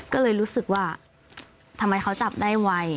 ก็เลยรู้สึกว่าทำไมเขาจับได้ไว